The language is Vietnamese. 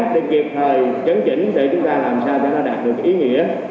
để kịp thời chấn chỉnh để chúng ta làm sao cho nó đạt được ý nghĩa